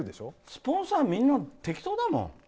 スポンサーみんな適当だもん。